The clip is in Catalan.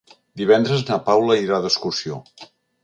Divendres na Paula irà d'excursió.